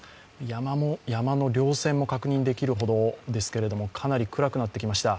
山の稜線も確認できるほどですけども、かなり暗くなってきました。